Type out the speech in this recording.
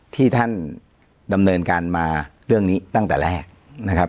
ที่ท่านดำเนินการมาเรื่องนี้ตั้งแต่แรกนะครับ